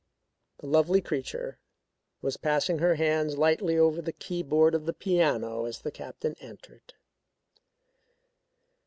The lovely creature was passing her hands lightly over the keyboard of the piano as the Captain entered.